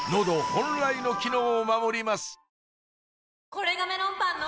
これがメロンパンの！